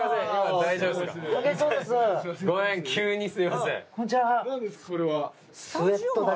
大丈夫です。